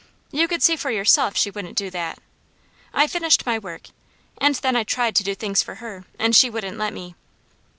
You could see for yourself she wouldn't do that. I finished my work, and then I tried to do things for her, and she wouldn't let me.